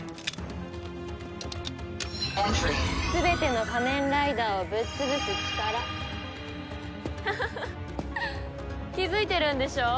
「ＥＮＴＲＹ」「全ての仮面ライダーをぶっ潰す力」フフフッ気づいてるんでしょ？